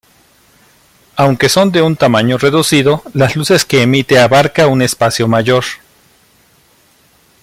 Aunque son de un tamaño reducido, las luces que emite abarca un espacio mayor.